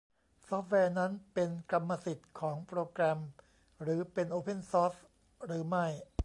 ซอฟต์แวร์นั้นเป็นกรรมสิทธิ์ของโปรแกรมหรือเป็นโอเพ่นซอร์สหรือไม่